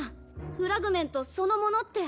フラグメントそのものって。